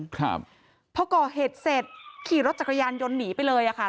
ครับพอก่อเหตุเสร็จขี่รถจักรยานยนต์หนีไปเลยอ่ะค่ะ